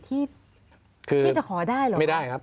ที่จะขอได้หรือครับคือไม่ได้ครับ